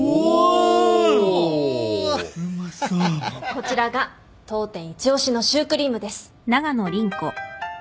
こちらが当店一押しのシュークリームです。